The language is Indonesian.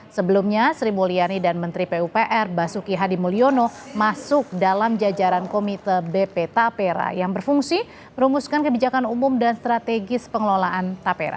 sebelumnya sri mulyani dan menteri pupr basuki hadimulyono masuk dalam jajaran komite bp tapera yang berfungsi merumuskan kebijakan umum dan strategis pengelolaan tapera